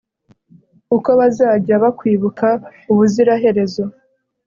kuko bazajya bakwibuka ubuziraherezo